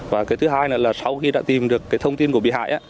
và cái thứ hai là sau khi đã tìm được cái thông tin của bị hại